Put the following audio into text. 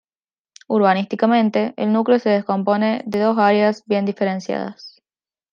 Urbanísticamente, el núcleo se compone de dos áreas bien diferenciadas.